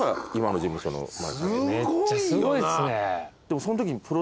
めっちゃすごいっすね。